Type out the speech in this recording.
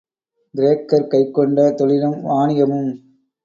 கிரேக்கர் கைக்கொண்ட தொழிலும் வாணிகமும்.